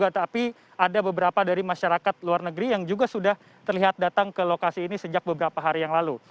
tapi ada beberapa dari masyarakat luar negeri yang juga sudah terlihat datang ke lokasi ini sejak beberapa hari yang lalu